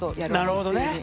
なるほどね。